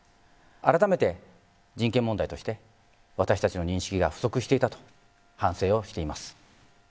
改めて、人権問題として私たちの認識が不足していたと反省をしています。